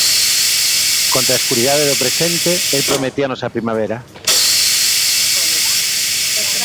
Contra a escuridade do presente, el prometíanos a primavera.